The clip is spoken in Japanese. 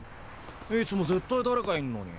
いつも絶対誰かいんのに。